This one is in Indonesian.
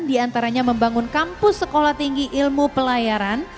diantaranya membangun kampus sekolah tinggi ilmu pelayaran